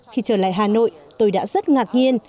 khi trở lại hà nội tôi đã rất ngạc nhiên